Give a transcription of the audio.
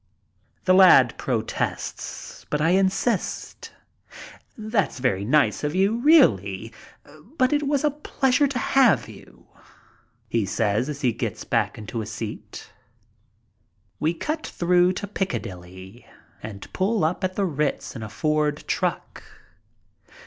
The lad protests, but I insist. "That's very nice of you, really. But it was a pleasure to have you," he says, as he gets back in his seat. We cut through to Piccadilly and pull up at the Ritz in a Ford truck.